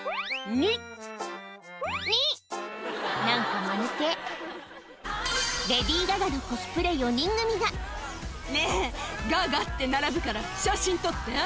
何かマヌケレディー・ガガのコスプレ４人組がねぇＧＡＧＡって並ぶから写真撮って。